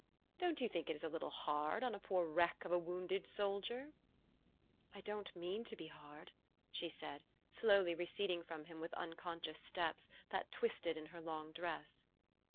Don't you think it is a little hard on a poor wreck of a wounded soldier? "" I don't mean to be hard/' she said, slowly re ceding from him with unconscious steps that twisted in her long dress.